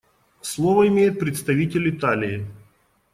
Слово имеет представитель Италии.